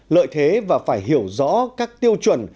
lợi thế và phải hiểu rõ các tiêu chuẩn